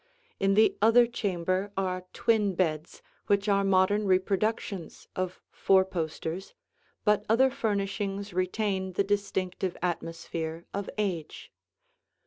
In the other chamber are twin beds which are modern reproductions of four posters, but other furnishings retain the distinctive atmosphere of age.